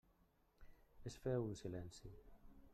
Es féu un silenci.